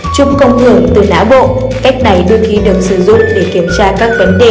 trục công thưởng từ não bộ cách này đôi khi được sử dụng để kiểm tra các vấn đề